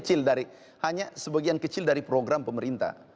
ini hanya sebagian kecil dari program pemerintah